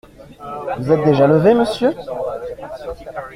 Vous êtes déjà levé, monsieur ?